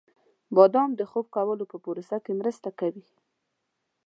• بادام د خوب کولو په پروسه کې مرسته کوي.